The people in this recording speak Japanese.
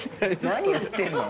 何やってんの？